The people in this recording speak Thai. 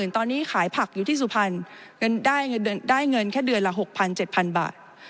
ตอนนี้ขายผักอยู่ที่สุพรรณได้เงินแค่เดือนละ๖๐๐๗๐๐บาท